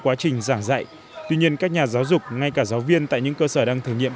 quá trình giảng dạy tuy nhiên các nhà giáo dục ngay cả giáo viên tại những cơ sở đang thử nghiệm